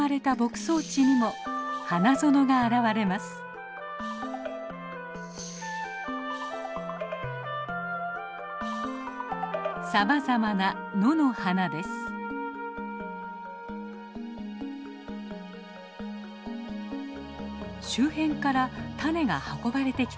周辺から種が運ばれてきたのでしょう。